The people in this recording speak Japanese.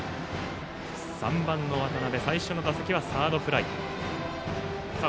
３番の渡邉、最初の打席はサードフライでした。